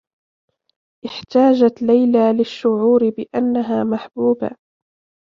احتاجت ليلى للشّعور بأنّها محبوبة.